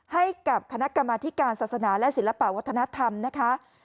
ให้กับคณะกรรมธิการศาสนาและศิลปะวัฒนธรรมนะคะ